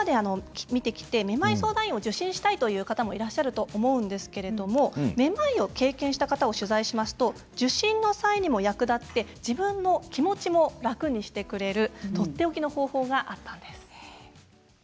めまい相談医を受診したいという方もいらっしゃると思うんですけどもめまいを経験した方を取材しますと受診の際にも役立って自分の気持ちも楽にしてくれるとっておきの方法があったんです。